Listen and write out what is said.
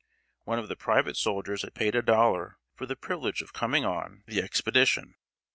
One of the private soldiers had paid a dollar for the privilege of coming on the expedition.